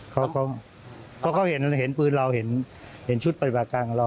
เขาเห็นปืนเราเห็นชุดปฏิบัติการกับเรา